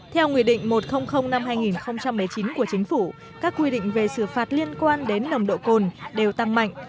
theo nghị định một trăm linh năm hai nghìn một mươi chín của chính phủ các quy định về xử phạt liên quan đến nồng độ cồn đều tăng mạnh